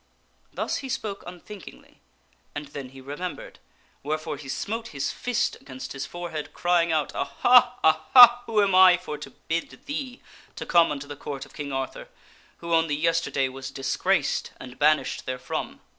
Thus he spoke unthinkingly ; and then he remembered. Wherefore he smote his fist against his forehead, crying out, " Aha ! aha ! who am I for to bid thee to come unto the Court of King Arthur, who only yesterday was disgraced and banished therefrom